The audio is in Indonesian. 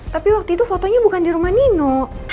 tapi waktu itu fotonya bukan di rumah nino